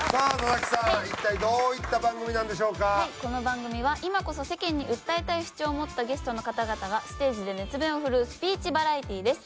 はいこの番組は今こそ世間に訴えたい主張を持ったゲストの方々がステージで熱弁を振るうスピーチバラエティーです。